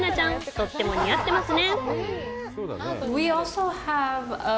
とっても似合っていますね！